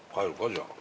じゃあ。